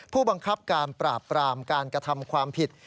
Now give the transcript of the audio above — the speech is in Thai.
ผู้บังคับการปราบปรามการกระทำความผิด